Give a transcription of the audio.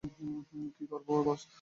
কী করব, বস?